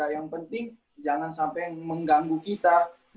yang penting jangan sampai mengganggu kita